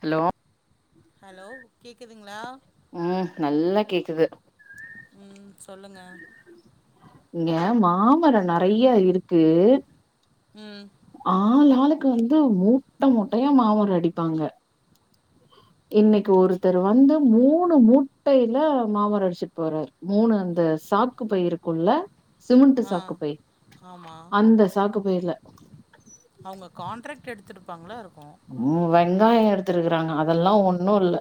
Hello hello கேக்குதுங்களா ம் நல்லா கேக்குது ம் சொல்லுங்க இங்க மாமர நெறையா இருக்கு ம் ஆள் ஆளுக்கு வந்து மூட்ட மூட்டயா மாமரு அடிப்பாங்க இன்னைக்கு ஒருத்தர் வந்து மூணு முட்டையில மாமர அடிச்சுட்டு போறரு மூணு அந்த சாக்கு பை இருக்குள்ள சிமெண்ட் ஆ சாக்கு பை ஆமா அந்த சாக்கு பைல அவங்க காண்டட்ராக்ட் எடுத்திருப்பாங்களோ இரு ம் வெங்காய எடுத்திருக்கறாங்க அதெல்லா ஒண்ணு இல்ல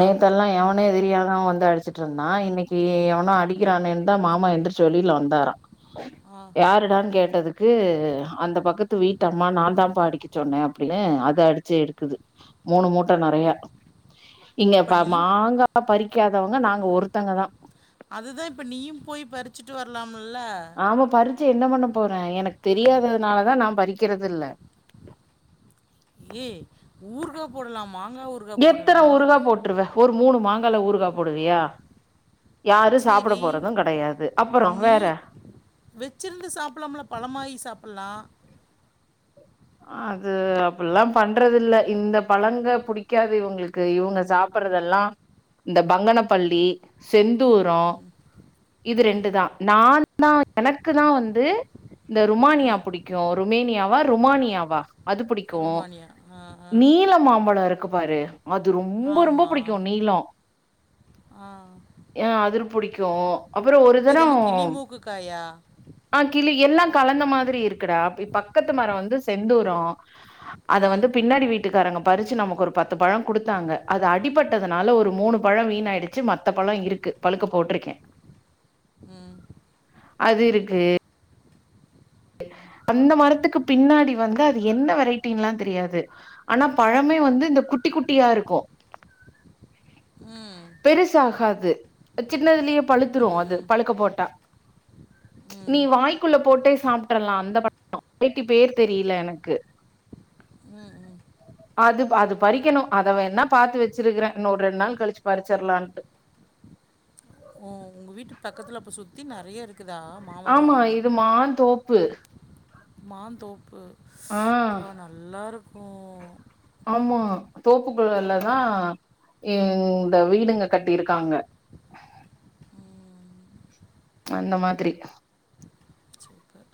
ஆ எவனே தெரியாதாவ வந் டிச்சிட்ருந்தான் இன்னைக்க எவனோ அடிக்கிறானேன்னு தா மாமா எந்துச்சி வெளில வந்தாரா ஆ யாருடான் கேட்டதுக் கு அந்த பக்கத்து வீட்டு அம்மா நாந்தா பா அடிக்க சொன்னே அப்ப அப்டின்னு அத அடிச்சு எடுக்குது மூணு மூட்ட நெறையா இங்க அப்ப ப நீயும் மாங்கா பறிக்காதவங்க நாங்க ஒருத்தங்க தா அதுதா இப்ப நீயு போய் பறிச்சுட்டு வரலாம் ஆமா பறிச்சு என்ன பண்ணப் போறே எனக்கு தெரியாததுனாலதா நா பறிக்கறது இல்ல ஏ ஊருகா போடலாம் எத்தனை ஊருகாய போட்டுருவ ஒரு மூணு மாங்கால ஊருகா போடுவியா யாரு சாப்பட சேரி போறது கெடையாது அப்பற வேற வச்சிருந்து சாப்பலாம்ல பழமாய் சாப்பலா அது அப்பில்லா பண்றதில்ல இந்த பழங்க புடிக்காது இவங்ளுக்கு இவுங்க சாப் பறதெல்லா இந்த பங்கனப்பள்ளி செந்தூரோ இது ம் ரெண்டு தா நா தா எனக்கு தா வந்து இந்த ருமானியா ம் புடிக்கு ருமேனியாவா ருமானியாவா அது புடிக்கு ருமானியா ஆ ஆ நீள மாம்பழோ இருக்கு பாரு அது ரொம்ப ரொம்ப ஆமா புடிக்கு நீளோ ஆ எ அது ரு புடி க்கு அப்பறோ ஒரு இப்ப இது தரோ என்ன கிளி மூக்கு காயா அ கிளி எல்லா கலந்த மாதிரி இருக்குடா ப் பக்கத்து மர வந்து செந்தூரோ அத ம் வந்து பின்னாடி வீட்டுக்காரங்க பறிச்சு நமக்கொரு பத்து பழோ குடுத்தாங்க அது அடிப்பட்டதனால ஒரு மூணு பழோ வீணாய்டிச்சு மத்த பழோ இருக் கு பழுக்க போட்ருக்கே ம் அது இருக்கு அந்த மரத்துக்கு பின்னாடி வந்து அது என்ன வெரைட்டீன்ல்லா தெரியாது ஆனா பழமே வந்து இந்த குட்டி குட்டியாருக்கோ ம் பெருசாகாது சின்னதுலியே பழுத்துரு ம் அது ம் பழுக்க போட்டா ம் நீ வாய்க்குள்ள போட்டே சாப்ட்ரல்லா அந்த ப வெரைட்டி பேரு தெரியில எனக்கு ம் ம் அது ப அது பறிக்கெணு அதவேனா பாத்து வெச்சிருக்குறே இன்னொ ஒர் ரெண் நாள் கழிச்சு பறிச்சற்லான்ட்டு உங்க வீட்டு பக்கத்துல அப்ப சுத்தி நெறையருக் ஆமா இது மாந்தோப்பு மந்தோப்பு ஆ ப்பா நல்லாருக்கு ஆமா தோப்புகளெல்லதா இந்த வீடுங்க கட்டிருக்காங்க அந்த மாதிரி சூப்பர்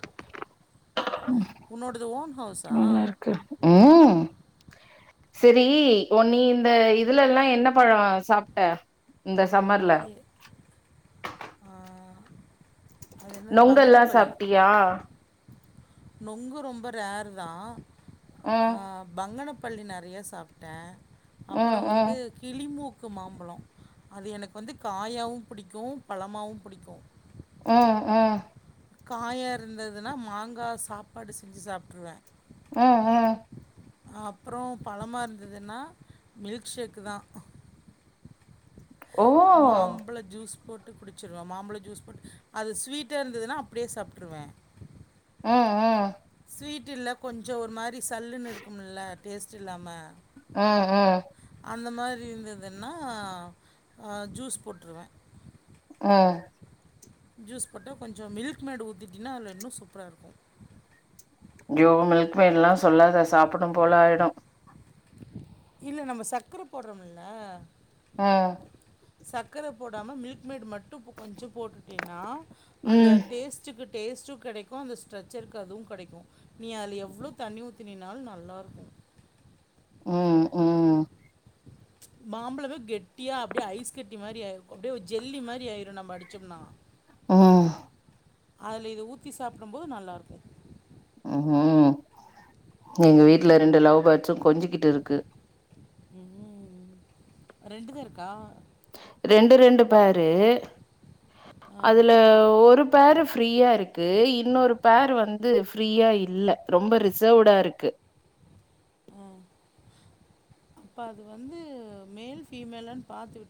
உன்னோடது ஓன் ஹவுஸா நல்லாருக்கு ம் செரி உ நீ இந்த இதுலெல்லா என்ன பழோ சாப்ட்ட இந்த சம்மர்ல ஏ அது என்னது நொங்கெல்லா பங்கனப்பள்ளி சாப்டியா நொங்கு ரொம்ப ரேரு தா ம் அ பங்கன பள்ளி நெறையா சாப்ட்டே ம் அப்பறோ ம் வந்து கிளிமூக் கு மாம்பழோ அது எனக்கு வந்து காயாவு புடிக்கு பழமாவு புடிக்கு உ உ காயா இருந்ததுனா மாங்கா சாப்பாடு செஞ்சு சாப்ட்ருவே அ அ அப்பறோ பழமா இருந்ததுன்னா மில்க் ஷேக்கு தா ஓ மாம்பழ ஜூஸ் போட் டு குடிச்சிருவே மாம்பழ ஜூஸ் போட்டு அது ஸ்வீட்டா இருந்ததுனா அப்டே சாப்புடுவே ம் ம் ஸ்வீட் இல்ல கொஞ்சோ ஒரு மாரி சல்லுன் இருக்குமுல்ல டேஸ்ட் இல்லாம உ உ மீந்ததுனா ஜூஸ் அ போட்ருவே அ ஜூஸ் போட்டா கொஞ்சோ மில்க் மேடு ஊத்திட்டின்னா அல்ல இன்னு சூப்பரா இருக்கு ய்யோ மில்க் மேட்ல்லா சொல்லாத சாப்புட்னும் போல ஆய்டு இல்ல நம்ம சக்கர போட்றோம்ல ம் சக்கர போடாம மில்க் மேடு மட்டு கொஞ்சு போட்டுட்டீனா அந்த ம் டேஸ்ட்டு கிட் டேஸ்ட்டு கெடைக்கு அந்த ஸ்ட்ரெச்சருக் அதுவு கெடைக்கு நீ அத்ல எவ்ளோ தண்ணி ஊத்தினினால் நல்லாருக்கு ம் ம் மாம்பழமே கெட்டியா அப்டியே ஐஸ் கட்டி மாரி ஆயிடு அப்டியே ஜெல்லி மாதிரி ஆயிரு நம்ம அடிச்சோம்னா ம் அதுல இது ஊத்தி சாப்டும் போது நல்லாருக்கு ம் ம் எங்க வீட்டுல ம். ரெண்டு லவ் பேர்ட்ஸு கொஞ்சிக்கிட்ருக்கு ம் ரெண்டுதா இருக்கா ரெண்டு ரெண்டு பேர்ரு ஆ அதுல ஒரு பேர் ஃப்ரீயாருக் க்கு இன்னொரு பேர் வந்து ஃரீயா இல்ல ரொம்ப ரிசவ்டா இருக்கு அப்ப அது வந்து மேல் பீமேல்லா பாத்து விட்டு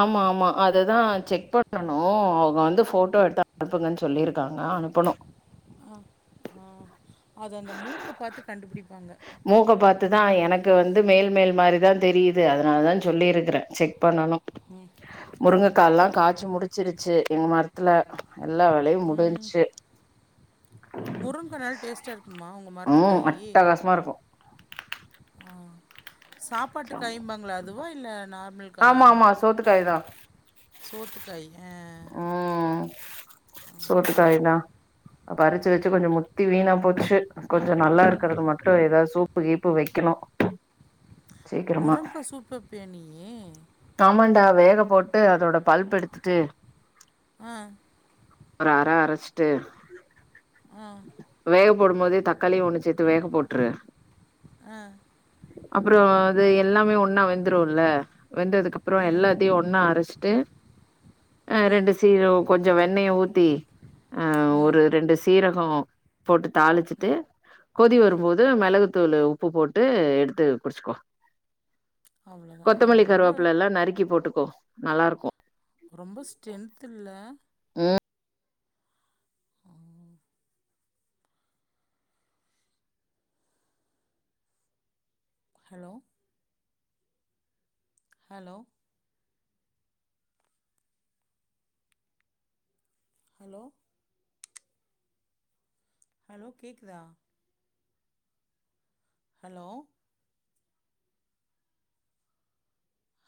ஆமா ஆமா அதுதா செக் பண்ணணு அவங்க வந் து போட்டோ எடுத்து அனுப்புங்க சொல்லிருக்காங்க அனுப்பணு அ ஆ அது அந்த மூக்க பாத்து கண்டுபுடிப்பாங்க மூக்க பாத்துதா எனக்கு வந்து மேல் மேல் மாதிரிதா தெரியுது அதனால தா சொல்லி இருக்கறே செக் பண்ணணு முருங்கைக்கால்லா காய்சு முடிச்சிருச்சு எங்க மரத்துல எல்லா வேலயு முடிஞ்ச்சு முருங்கங்கனால டேஸ்ட்டா இருக்குமா உங்க ம் மரத்துக்காய்யி அட்டகாசமா இருக்கு ஆ சாப்பாட்டுக்காய்னு பாங்கல அதுவா இல்ல நார்மல் ஆமா காயா ஆமா சோத்துக்காய்தா சோத்துக்காய் ஆ ம் சோத்துக்காயதா பறிச்சு வச்சு கொஞ்ச முத்தி வீணா போச்சு கொஞ்ச நல்லாருக்கிறது மட்டு ஏதாது சூப்பு கீப்பு வைக்கணு சீக்கிரமா முருங்க்கா சூப்பு வப்பியா நீ ஆமாண்டா வேக போட்டு அதோட பல்ப் எடுத்துட்டு ஆ ஒரு அர அரைச்சிட்டு ஆ வேக போடும்போதே தக்கா தக்காளி ஒன்னு சேத்து வேக போட்டுரு ஆ அப்புறோ அது எ எல்லாமே ஒன்னா வெந்துரும்ல வெந்ததுக்கு அப்பற ம் எல்லாத்தையு ஒன்னா அரைச்சிட்டு ஆ ரெண்டு சீர கொஞ்ச வெண்ணைய் ஊத்தி ம் ஒரு ரெண்டு சீரம் ப்றோ போட்டு தாளிச்சிட்டு கொதி ம் வரும்போது மெளகு ளகு தூள்ளு உப்பு போட்டு எடுத்து குடிச்சுக்கோ அவ்வளோதான் ஆ, கொத்தமல்லி ரொம்ப கருவேப்புலல்லா நறுக்கி போட்டுக்கோ நல்லாருக்கு ரொம்ப ஸ்ட்ரென்த் இல்ல ம் ஹலோ ஹலோ ஹலோ ஹலோ கேக்குதா hello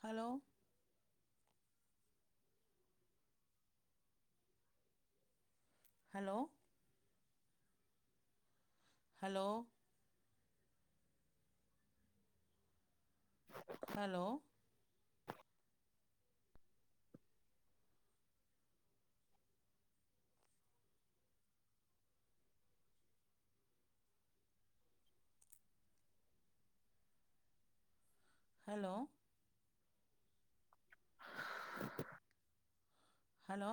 hello hello hello hello hello hello